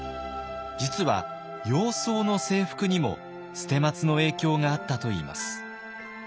実は洋装の制服にも捨松の影響があったといいます。